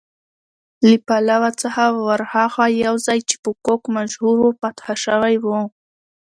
له پلاوا څخه ورهاخوا یو ځای چې په کوک مشهور و، فتح شوی و.